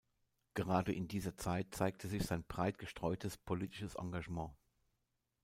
Gerade in dieser Zeit zeigte sich sein breit gestreutes politisches Engagement.